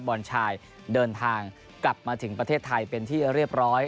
บอลชายเดินทางกลับมาถึงประเทศไทยเป็นที่เรียบร้อย